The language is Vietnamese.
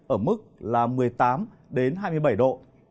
ở mức là một mươi tám hai mươi bảy độ